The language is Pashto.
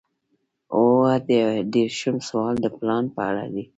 اووه دېرشم سوال د پلان په اړه دی.